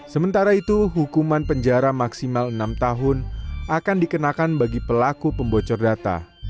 sementara itu hukuman penjara maksimal enam tahun akan dikenakan bagi pelaku pembocor data